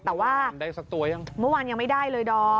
แต่ว่าได้สักตัวยังเมื่อวานยังไม่ได้เลยดอม